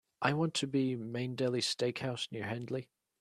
I want to be Main Deli Steak House near Hendley.